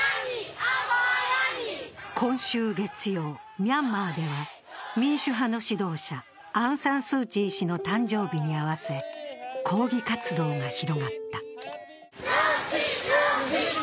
今週月曜、ミャンマーでは民主派の指導者・アウン・サン・スー・チー氏の誕生日に合わせ、抗議活動が広がった。